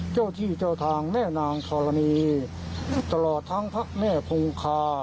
เจ้าที่เจ้าทางแม่นางธรณีตลอดทั้งพระแม่คงคา